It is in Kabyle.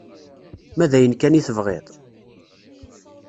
Ma d ayen kan i tebɣiḍ...